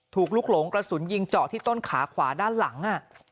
ลูกหลงกระสุนยิงเจาะที่ต้นขาขวาด้านหลัง